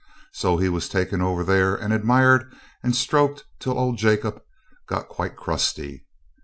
So he was taken over there and admired and stroked till old Jacob got quite crusty.